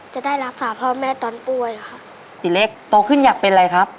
จะได้รักษาพ่อแม่ตอนป่วยค่ะติเล็กโตขึ้นอยากเป็นอะไรครับ